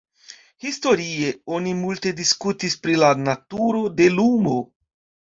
Historie oni multe diskutis pri la naturo de lumo.